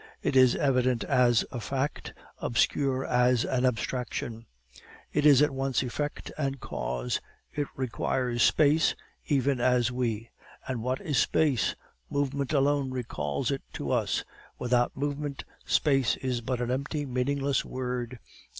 It is evident as a fact, obscure as an abstraction; it is at once effect and cause. It requires space, even as we, and what is space? Movement alone recalls it to us; without movement, space is but an empty meaningless word.